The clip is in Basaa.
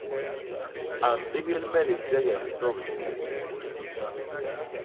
A mbégél me lisege ni soble yé.